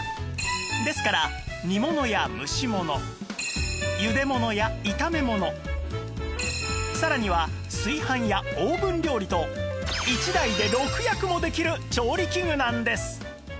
ですから煮物や蒸し物茹で物や炒め物さらには炊飯やオーブン料理と１台で６役もできる調理器具なんです！